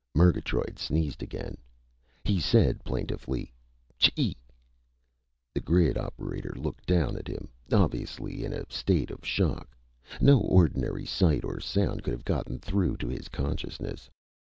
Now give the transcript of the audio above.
Murgatroyd sneezed again. He said plaintively: "Chee!" The grid's operator looked down at him, obviously in a state of shock. No ordinary sight or sound could have gotten through to his consciousness.